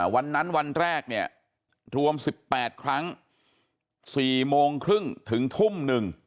วันนั้นวันแรกเนี่ยรวมสิบแปดครั้งสี่โมงครึ่งถึงทุ่มหนึ่ง